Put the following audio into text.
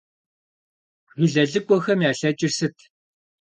Жылэ лӀыкӀуэхэм ялъэкӀыр сыт?